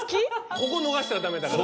ここ逃したら駄目だから。